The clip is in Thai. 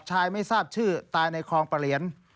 ไม่ทราบชื่อตายในคลองประเหลียน